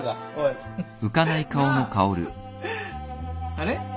あれ？